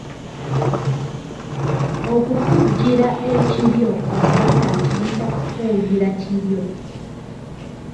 Okufujjira ekiryo Omuganda akiyita kufuuyira kiryo.